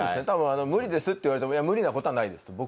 多分「無理です」って言われても「無理な事はないです。